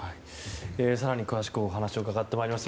更に詳しくお話を伺ってまいります。